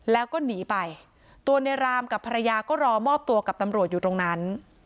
แล้วก็หนีไปตัวในรามกับภรรยาก็รอมอบตัวกับตำรวจอยู่ตรงนั้น